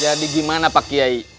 jadi gimana pak kiai